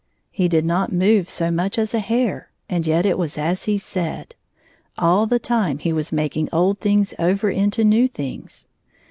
He did not move so much as a hair, and yet it was as he said. All the time he was making old things over into new things.